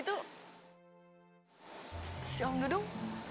itu si om dudung